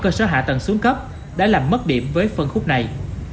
cơ sở hạ tầng xuống cấp đã làm mất điểm với phân khúc này